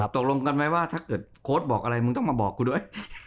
ตกลงกันไหมว่าถ้าเกิดโค้ดบอกอะไรมึงต้องมาบอกกูด้วย